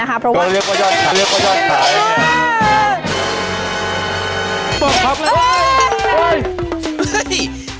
จริง